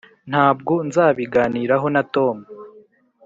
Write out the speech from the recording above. ntabwo nzabiganiraho na tom.